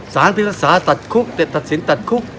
สารภิกษาตัดคุกตัดสินตัดคุก